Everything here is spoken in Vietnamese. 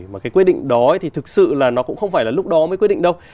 mà cái quyết định đó thì thực sự là nó cũng không phải là lúc đó mới quyết định đâu